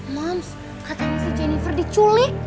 mons katanya si jennifer diculik